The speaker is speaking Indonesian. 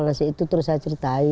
rasa itu terus saya ceritain